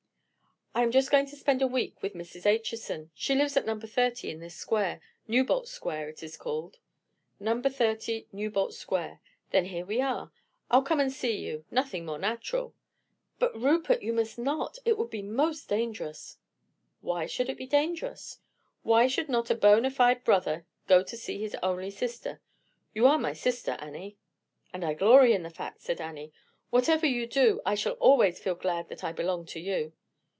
"I am just going to spend a week with Mrs. Acheson. She lives in No. 30 in this square—Newbolt Square it is called." "No. 30 Newbolt Square; then here we are. I'll come and see you; nothing more natural." "But, Rupert, you must not—it would be most dangerous." "Why should it be dangerous? Why should not a bona fide brother go to see his only sister? You are my sister, Annie." "And I glory in the fact," said Annie. "Whatever you do, I shall always feel glad that I belong to you.